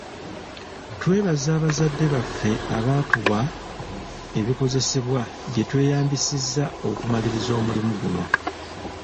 Twebaza bazadde baffe abaatuwa ebikozesebwa bye tweyambisizza okumaliriza omulimu guno.